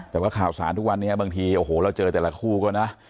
แต่ว่าข่าวสารทุกวันนี้บางทีโอ้โหเราเจอแต่ละคู่ก็นะ